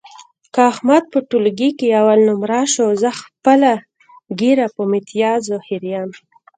که احمد په ټولګي کې اول نمره شو، زه خپله ږیره په میتیازو خرېیم.